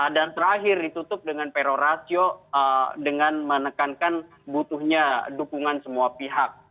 dan terakhir ditutup dengan perorasyo dengan menekankan butuhnya dukungan semua pihak